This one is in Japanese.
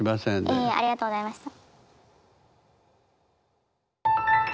いえいえありがとうございました。